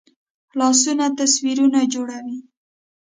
لاسونه تصویرونه جوړوي